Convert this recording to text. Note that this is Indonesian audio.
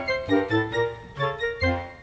masa bahasa finds